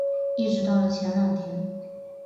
一直到了前两天